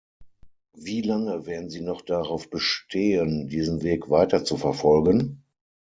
Wie lange werden sie noch darauf bestehen, diesen Weg weiterzuverfolgen?